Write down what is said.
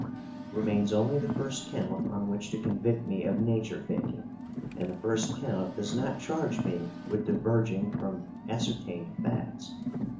Remains only the first count on which to convict me of nature faking, and the first count does not charge me with diverging from ascertained facts.